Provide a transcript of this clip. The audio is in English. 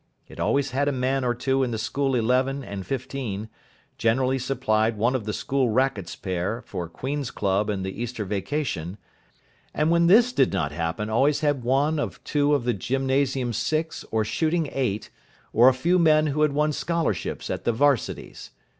It always had a man or two in the School eleven and fifteen, generally supplied one of the School Racquets pair for Queen's Club in the Easter vac., and when this did not happen always had one of two of the Gym. Six or Shooting Eight, or a few men who had won scholarships at the 'Varsities.